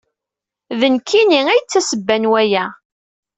D nekkni ay d tasebba n waya.